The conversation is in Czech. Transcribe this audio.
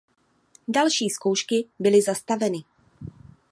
Další zkoušky byly zastaveny.